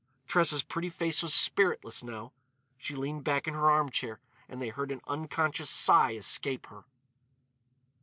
Tressa's pretty face was spiritless, now; she leaned back in her armchair and they heard an unconscious sigh escape her.